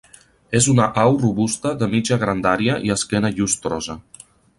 És una au robusta de mitja grandària i esquena llustrosa.